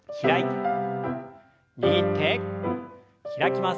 握って開きます。